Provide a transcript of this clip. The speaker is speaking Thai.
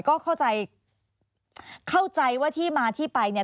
ก็เข้าใจเข้าใจว่าที่มาที่ไปเนี่ย